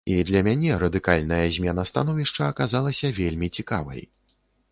І для мяне радыкальная змена становішча аказалася вельмі цікавай.